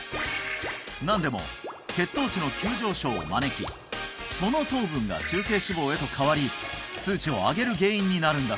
なんでも血糖値の急上昇を招きその糖分が中性脂肪へと変わり数値を上げる原因になるんだ